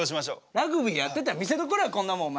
ラグビーやってた見せどころやこんなもんお前。